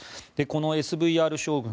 このＳＶＲ将軍